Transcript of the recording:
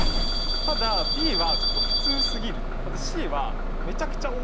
ただＢはちょっと普通すぎる。